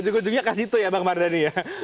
ujung ujungnya kasih itu ya bang mardhani